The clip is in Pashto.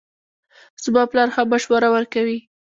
زما پلار ښه مشوره ورکوي